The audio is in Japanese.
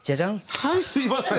はいすみません。